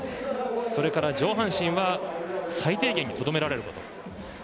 それから上半身は最低限にとどめられると。